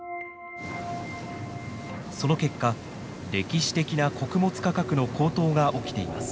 その結果歴史的な穀物価格の高騰が起きています。